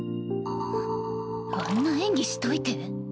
ああんな演技しといて？